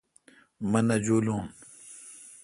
مہ نہ جولوں